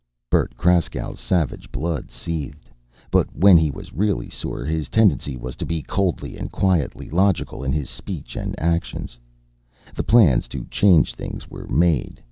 Bert Kraskow's savage blood seethed. But when he was really sore his tendency was to be coldly and quietly logical in his speech and actions. The plans to change things were made.